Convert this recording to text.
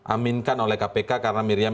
aminkan oleh kpk karena miriam